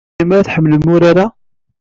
Ur tellim tḥemmlem urar-a.